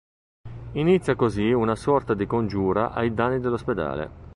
Inizia così una sorta di congiura ai danni dell'ospedale.